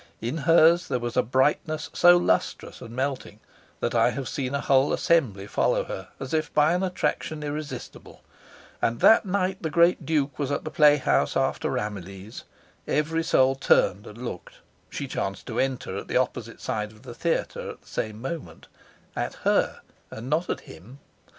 In hers there was a brightness so lustrous and melting, that I have seen a whole assembly follow her as if by an attraction irresistible: and that night the great Duke was at the playhouse after Ramillies, every soul turned and looked (she chanced to enter at the opposite side of the theatre at the same moment) at her, and not at him.